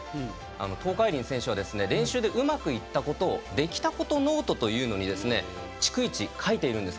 東海林選手は練習でうまくいったことをできたことノートというものに逐一、書いているんです。